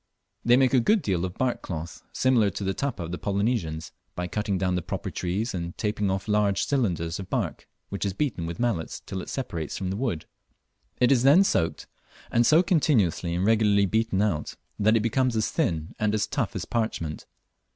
They make a good deal of bark cloth, similar to the tapa of the Polynesians, by cutting down the proper trees and taping off large cylinders of bark, which is beaten with mallets till it separates from the wood. It is then soaked, and so continuously and regularly beaten out that it becomes as thin and as tough as parchment.